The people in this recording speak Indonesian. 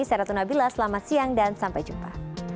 saya ratna bila selamat siang dan sampai jumpa